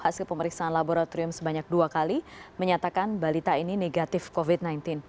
hasil pemeriksaan laboratorium sebanyak dua kali menyatakan balita ini negatif covid sembilan belas